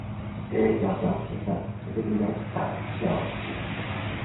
Eventually the plans for the development are thwarted.